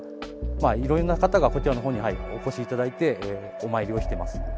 色んな方がこちらの方にお越しいただいてお参りをしてます。